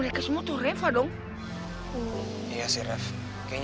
aduh tonton rempong dan kerempong